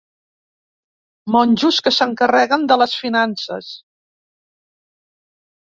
Monjos que s'encarreguen de les finances.